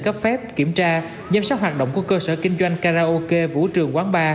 cấp phép kiểm tra giám sát hoạt động của cơ sở kinh doanh karaoke vũ trường quán bar